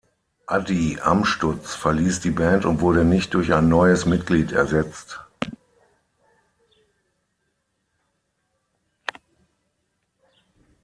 Adi Amstutz verliess die Band und wurde nicht durch ein neues Mitglied ersetzt.